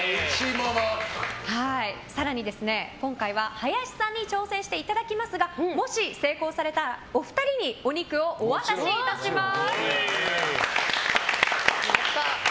更に、今回は林さんに挑戦していただきますがもし成功されたらお二人にお肉をお渡しいたします。